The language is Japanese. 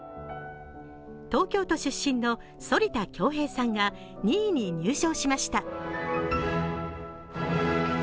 東京都出身の反田恭平さんが２位に入賞しました。